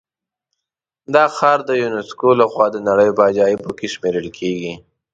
دا ښار د یونسکو له خوا د نړۍ په عجایبو کې شمېرل کېږي.